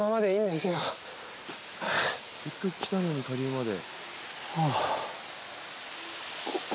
せっかく来たのに下流まで。